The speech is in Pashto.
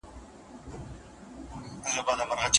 خوښوي.